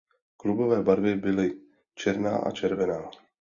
Klubové barvy byly černá a červená.